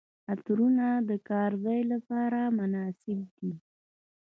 عطرونه د کار ځای لپاره مناسب دي.